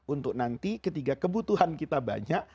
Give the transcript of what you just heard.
untuk nanti ketika kebutuhan kita banyak